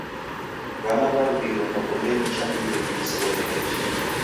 W'ana w'arudilo nokondenyi cha ndiw'enyi w'isew'oneke jingi.